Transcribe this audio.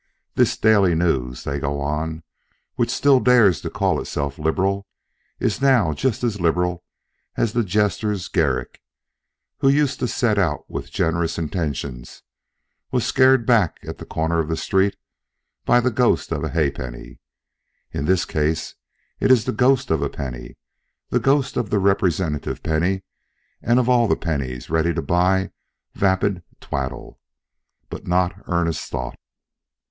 This Daily News, they go on, which still dares to call itself Liberal, is now just as liberal as the jester's Garrick, who used to set out with generous intentions, and was scared back at the corner of the street by the ghost of a ha'penny. In its case it is the ghost of a penny, the ghost of the representative penny of all the pennies ready to buy vapid twaddle, but not earnest thought.